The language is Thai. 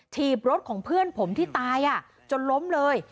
ถีบรถของเพื่อนผมที่ตายจนล้มเลย